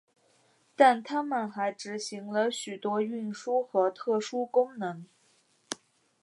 但他们还执行了许多运输和特殊功能。